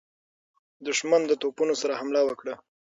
دښمن د توپونو سره حمله وکړه.